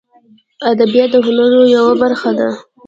ادبیات د هنرونو یوه برخه ده